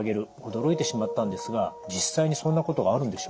驚いてしまったんですが実際にそんなことがあるんでしょうか？